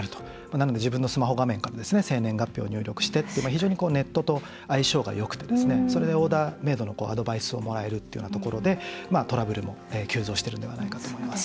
なので、自分のスマホ画面から生年月日を入力してっていう非常に、ネットと相性がよくてそれで、オーダーメードのアドバイスをもらえるっていうようなところでトラブルも急増しているのではないかと思います。